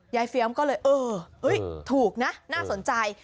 เฟียมก็เลยเออถูกนะน่าสนใจ